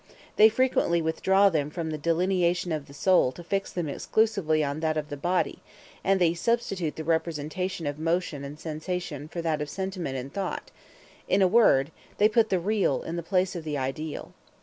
They frequently withdraw them from the delineation of the soul to fix them exclusively on that of the body: and they substitute the representation of motion and sensation for that of sentiment and thought: in a word, they put the real in the place of the ideal.